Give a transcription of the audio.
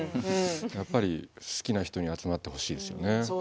やっぱり好きな人に集まってほしいですよね。